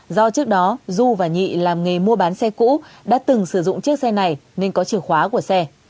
do trước đó du và nhị làm nghề mua bán xe cũ đã từng sử dụng chiếc xe này nên có chìa khóa của xe